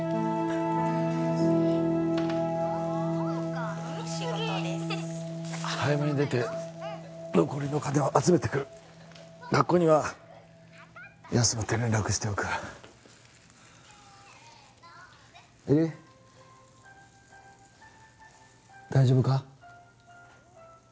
はい焼けたよ早めに出て残りの金を集めてくる学校には休むって連絡しておく絵里大丈夫か？